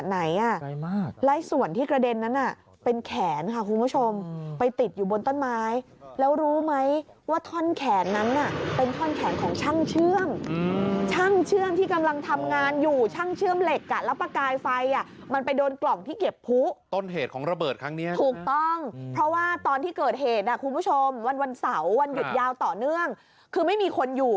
ไหนอ่ะแล้วส่วนที่กระเด็นนั้นน่ะเป็นแขนค่ะคุณผู้ชมไปติดอยู่บนต้นไม้แล้วรู้ไหมว่าท่อนแขนนั้นน่ะเป็นท่อนแขนของช่างเชื่อมช่างเชื่อมที่กำลังทำงานอยู่ช่างเชื่อมเหล็กอ่ะแล้วประกายไฟอ่ะมันไปโดนกล่องที่เก็บผู้ต้นเหตุของระเบิดครั้งเนี้ยถูกต้องเพราะว่าตอนที่เกิดเหตุอ่ะคุณผู้ชมวันวันเสาร์วันหยุดยาวต่อเนื่องคือไม่มีคนอยู่